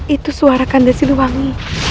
itu suara kandasilu wangi